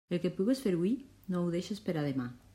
El que pugues fer hui no ho deixes per a demà.